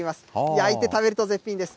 焼いて食べると絶品です。